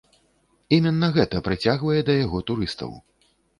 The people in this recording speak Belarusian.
Іменна гэта прыцягвае да яго турыстаў.